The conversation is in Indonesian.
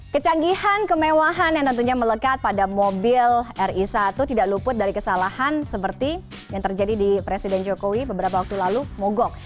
kecanggihan kemewahan yang tentunya melekat pada mobil ri satu tidak luput dari kesalahan seperti yang terjadi di presiden jokowi beberapa waktu lalu mogok